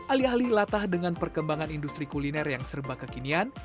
alih alih latah dengan perkembangan industri kuliner yang serba kekinian